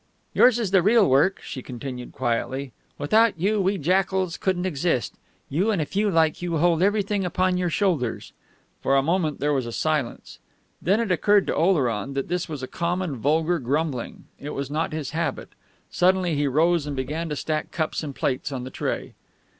"Yours is the real work," she continued quietly. "Without you we jackals couldn't exist. You and a few like you hold everything upon your shoulders." For a minute there was a silence. Then it occurred to Oleron that this was common vulgar grumbling. It was not his habit. Suddenly he rose and began to stack cups and plates on the tray.